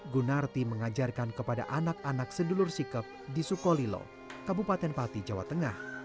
gunarti mengajarkan kepada anak anak sedulur sikap di sukolilo kabupaten pati jawa tengah